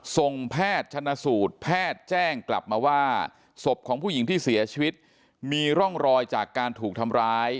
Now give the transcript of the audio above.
แพทย์ชนะสูตรแพทย์แจ้งกลับมาว่าศพของผู้หญิงที่เสียชีวิตมีร่องรอยจากการถูกทำร้าย